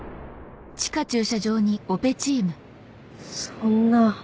そんな。